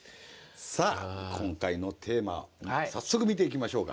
さあ今回のテーマ早速見ていきましょうか。